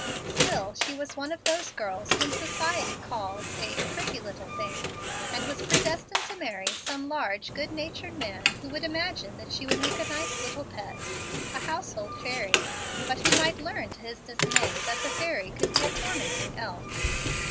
Still she was one of those girls whom society calls a "pretty little thing," and was predestined to marry some large, good natured man who would imagine that she would make a nice little pet, a household fairy, but who might learn to his dismay that the fairy could be a tormenting elf.